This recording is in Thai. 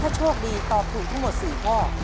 ถ้าโชคดีตอบถูกทั้งหมด๔ข้อ